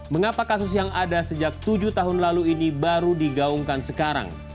mengapa kasus yang ada sejak tujuh tahun lalu ini baru digaungkan sekarang